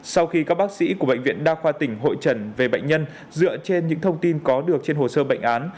sau khi các bác sĩ của bệnh viện đa khoa tỉnh hội trần về bệnh nhân dựa trên những thông tin có được trên hồ sơ bệnh án